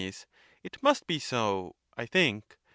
It must be so, I think.